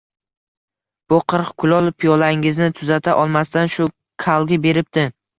Bu qirq kulol piyolangizni tuzata olmasdan shu kalga beribdi